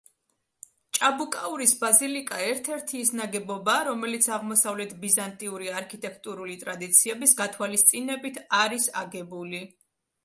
ჭაბუკაურის ბაზილიკა ერთ-ერთი ის ნაგებობაა, რომელიც აღმოსავლეთ ბიზანტიური არქიტექტურული ტრადიციების გათვალისწინებით არის აგებული.